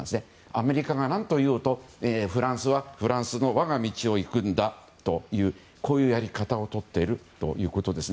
アメリカが何と言おうとフランスはフランスの我が道を行くんだというやり方をとっているということです。